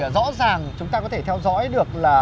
rõ ràng chúng ta có thể theo dõi được